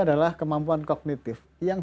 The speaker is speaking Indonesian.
adalah kemampuan kognitif yang